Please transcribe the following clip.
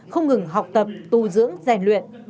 không ngừng học tập tu dưỡng rèn luyện